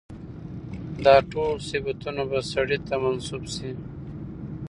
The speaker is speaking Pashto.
دا ټول صفتونه به سړي ته منسوب شي.